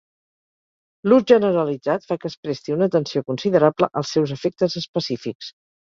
L'ús generalitzat fa que es presti una atenció considerable als seus efectes específics.